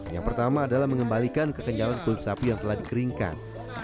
yang pertama adalah mengembalikan kekejalan kulit sapi yang telah dikeringkan